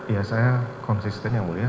iya saya konsisten yang mulia